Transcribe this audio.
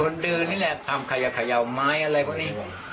คนดื่นนี่แหละทำขยะยาวไม้อะไรพวกนี้